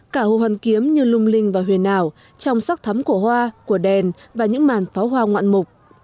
cả hồ hoàn kiếm như lung linh và huyền ảo trong sắc thấm cổ hoa của đèn và những màn pháo hoa ngoạn mục